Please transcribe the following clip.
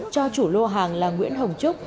cho chủ lô hàng là nguyễn hồng trúc